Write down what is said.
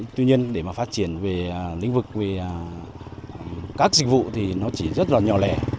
tuy nhiên để mà phát triển về lĩnh vực về các dịch vụ thì nó chỉ rất là nhỏ lẻ